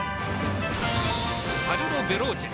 カルロヴェローチェ。